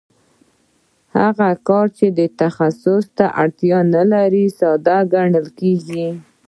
هغه کار چې تخصص ته اړتیا نلري ساده ګڼل کېږي